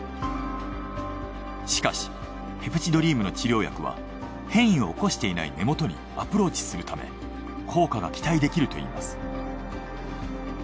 しかしペプチドリームの治療薬は変異を起こしていない根元にアプローチするため効果が期待できるといいます。